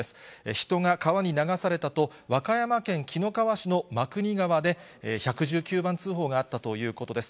人が川に流されたと、和歌山県紀の川市の真国川で、１１９番通報があったということです。